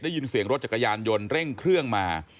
ได้ยินเสียงรถจักรยานยนต์เร่งเครื่องมา